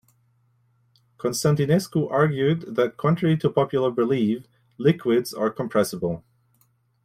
Constantinescu argued that, contrary to popular belief, liquids are compressible.